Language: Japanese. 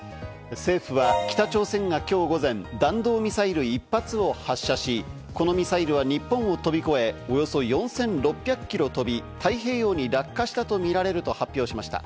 政府は北朝鮮がきょう午前、弾道ミサイル１発を発射し、このミサイルは日本を飛び越えおよそ４６００キロ飛び、太平洋に落下したとみられると発表しました。